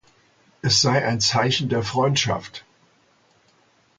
Es sei ein Zeichen der Freundschaft.